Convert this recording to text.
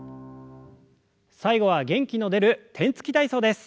最後は元気の出る天つき体操です。